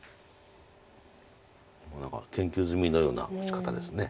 何か研究済みのような打ち方です。